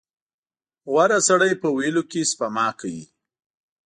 • غوره سړی په ویلو کې سپما کوي.